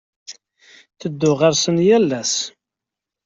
Ttedduɣ ɣer-sen yal ass.